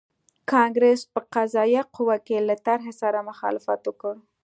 کانګریس په قضایه قوه کې له طرحې سره مخالفت وکړ.